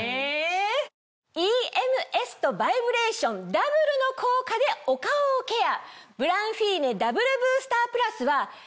ＥＭＳとバイブレーションダブルの効果でお顔をケア。